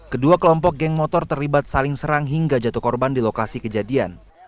kedua kelompok geng motor terlibat saling serang hingga jatuh korban di lokasi kejadian